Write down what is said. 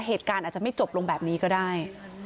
เหตุการณ์อาจจะไม่จบลงแบบนี้ก็ได้